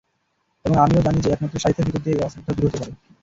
এবং আমিও জানি যে, একমাত্র সাহিত্যের ভিতর দিয়েই এ-অশ্রদ্ধা দূর হতে পারে।